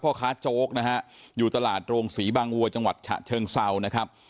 พ่อค้าโจ๊กนะฮะอยู่ตลาดโรงศรีบางวัวจังหวัดฉะเชิงเซานะครับ